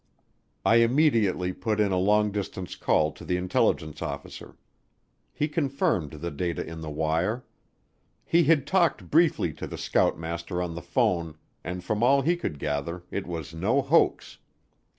I immediately put in a long distance call to the intelligence officer. He confirmed the data in the wire. He had talked briefly to the scoutmaster on the phone and from all he could gather it was no hoax.